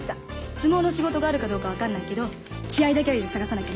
相撲の仕事があるかどうか分かんないけど気合いだけは入れて探さなきゃね。